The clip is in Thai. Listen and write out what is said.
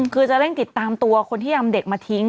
คือจะเร่งติดตามตัวคนที่นำเด็กมาทิ้ง